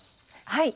はい。